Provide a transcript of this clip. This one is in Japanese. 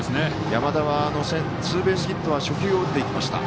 山田はツーベースヒット初球を打っていきました。